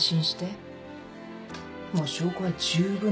もう証拠は十分だから。